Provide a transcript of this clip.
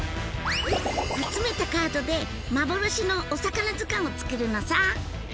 集めたカードで幻のお魚図鑑を作るのさ！